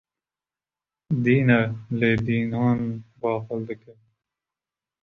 Dîn e lê dînan baqil dike